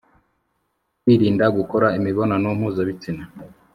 kwirinda gukora imibonano mpuzabitsina